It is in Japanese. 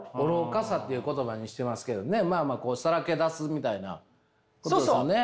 「愚かさ」っていう言葉にしてますけどねまあまあさらけ出すみたいなことですよね？